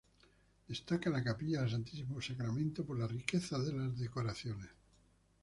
Destaca la capilla del Santísimo Sacramento por la riqueza de las decoraciones.